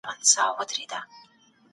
ازاده مطالعه تر جبري لوست ډېره ګټوره ده.